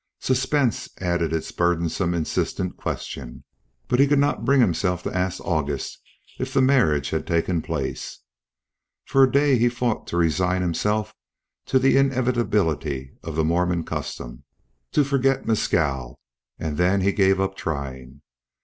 Suspense added its burdensome insistent question, but he could not bring himself to ask August if the marriage had taken place. For a day he fought to resign himself to the inevitability of the Mormon custom, to forget Mescal, and then he gave up trying.